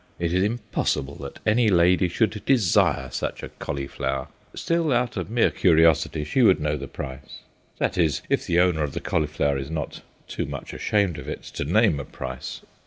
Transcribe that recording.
It is impossible that any lady should desire such a cauliflower. Still, out of mere curiosity, she would know the price—that is, if the owner of the cauliflower is not too much ashamed of it to name a price.